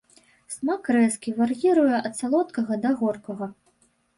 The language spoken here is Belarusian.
Смак рэзкі, вар'іруе ад салодкага да горкага.